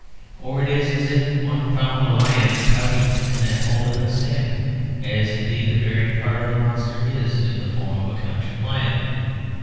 Or it is as if one found a lion couchant in that hole in the sand; as indeed the buried part of the monster is in the form of a couchant lion.